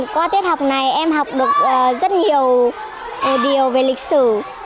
qua tiết học này em học được rất nhiều điều về lịch sử